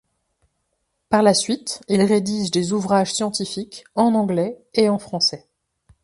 Par la suite, il rédige des ouvrages scientifiques en anglais et en français.